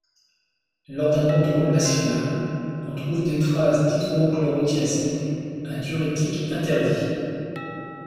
Lors d'un contrôle national, on trouve des traces d'hydrochlorothiazide, un diurétique interdit.